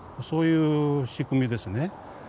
そういう仕組みですね。